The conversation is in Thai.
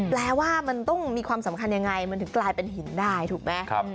แปลว่ามันต้องมีความสำคัญยังไงมันถึงกลายเป็นหินได้ถูกไหม